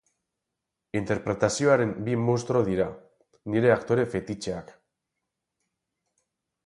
Interpretazioaren bi munstro dira, nire aktore fetixeak.